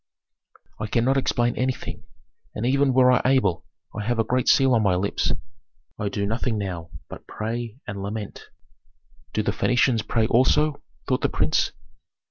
"I cannot explain anything, and even were I able I have a great seal on my lips I do nothing now but pray and lament." "Do the Phœnicians pray also?" thought the prince.